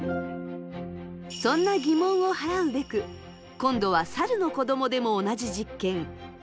そんな疑問を払うべく今度はサルの子どもでも同じ実験。